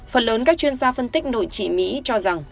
phần lớn các chuyên gia phân tích nội trị mỹ cho rằng